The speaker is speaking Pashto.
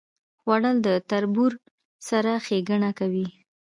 خوړل د تربور سره ښېګڼه کوي